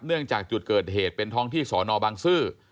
จากจุดเกิดเหตุเป็นท้องที่สอนอบังซื้อ